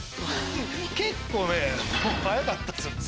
結構早かったですよね。